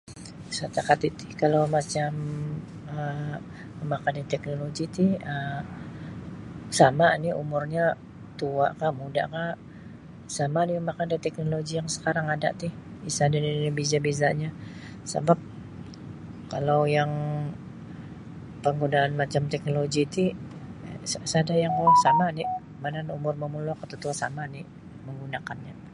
Setakat itu kalau macam um mamakai da teknologi ti um sama ni' umurnyo tua kah mudah kah sama oni' mamakai da teknologi yang sakarangy ada ti isada nini berbeza -bezanyo sabab kalau yang panggunaan macam teknologi ti sada yang kui sama ni' mana umur momulok tatuo sama ni' manggunakan.